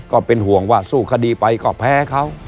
ก็เป็นห่วงว่าสู้คดีไปก็แพ้เขา